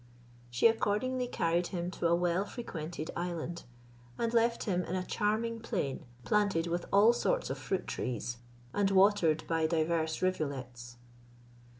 She accordingly carried him to a well frequented island, and left him in a charming plain, planted with all sorts of fruit trees, and watered by divers rivulets.